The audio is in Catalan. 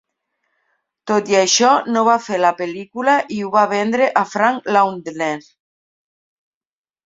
Tot i això, no va fer la pel·lícula i ho va vendre a Frank Laundner.